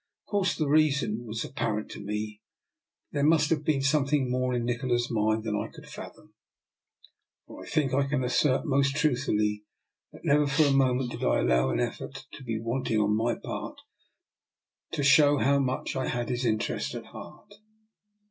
Of course, the reason was apparent to me; but there must have been something more in Nikola's mind than I could fathom, for I think I can assert most truthfully that never for a moment did I allow an effort to be wanting on my part to show how much I had his interest at heart.